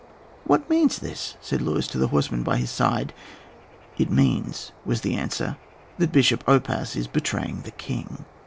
"What means this?" said Luis to the horseman by his side. "It means," was the answer, "that Bishop Oppas is betraying the king."